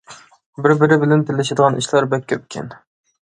بىر-بىرى بىلەن تىللىشىدىغان ئىشلار بەك كۆپكەن.